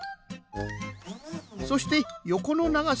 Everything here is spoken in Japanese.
そしてよこのながさのぶん